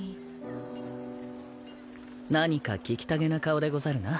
何か聞きたげな顔でござるな。